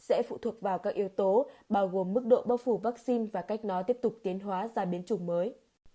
ưu thuộc vào các yếu tố bao gồm mức độ bốc phủ vaccine và cách nó tiếp tục tiến hóa ra biến chủng mới